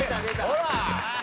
「ほら！」